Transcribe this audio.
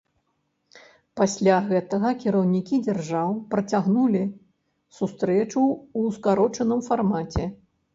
Пасля гэтага кіраўнікі дзяржаў працягнулі сустрэчу ў скарочаным фармаце.